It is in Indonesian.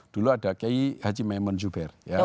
dulu ada kayi haji memon juber